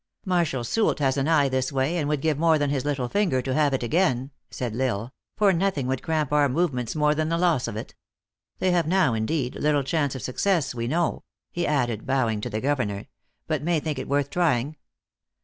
" Marshal Soult has an eye this way, and would give more than his little finger to have it again," said L Isle; "for nothing would cramp our movements more than the loss of it. They have now, indeed, little chance of success, we know," he added, bowing to the governor, " but may think it worth trying.